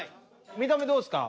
見た目どうですか？